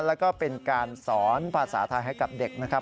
แล้วก็เป็นการสอนภาษาไทยให้กับเด็กนะครับ